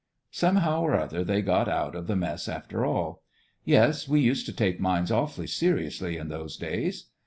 Somehow or other they got out of the mess after all. "Yes, we used to take mines awfully seriously in those days.